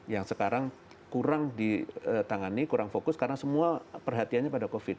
yang sekarang kurang ditangani kurang fokus karena semua perhatiannya pada covid